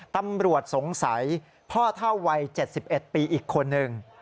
ตำรวจสงสัยพ่อเท่าวัย๗๑ปีอีกคนนึง